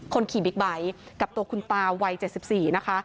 คนขี่บิ๊กไบท์กับตัวคุณตาวัย๗๔นะคะ